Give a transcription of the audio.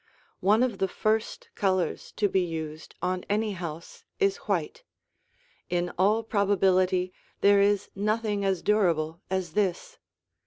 One of the first colors to be used on any house is white, in all probability there is nothing as durable as this.